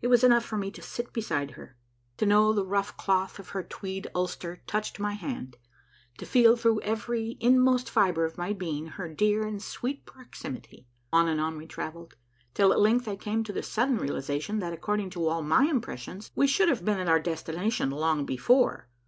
It was enough for me to sit beside her, to know the rough cloth of her tweed ulster touched my hand, to feel through every inmost fibre of my being her dear and sweet proximity. On and on we travelled, till at length I came to the sudden realization that, according to all my impressions, we should have been at our destination long before.